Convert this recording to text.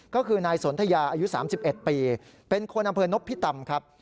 ก็คือนายสนทยาอายุ๓๑ปีเป็นคนอำเภอนพิตำครับ